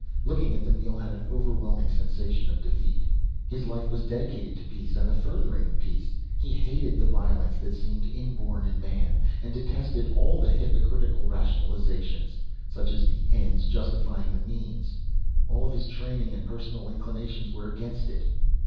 Looking at them, Neel had an overwhelming sensation of defeat. His life was dedicated to peace and the furthering of peace. He hated the violence that seemed inborn in man, and detested all the hypocritical rationalizations, such as the ends justifying the means. All of his training and personal inclinations were against it.